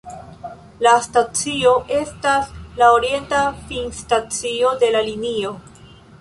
La stacio estas la orienta finstacio de la linio.